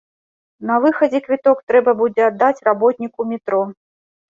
На выхадзе квіток трэба будзе аддаць работніку метро.